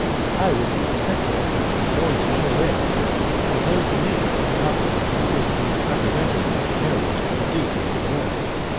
I was the precentor going to Turin to compose the music of the opera which was to be represented at the marriage of the Duke of Savoy.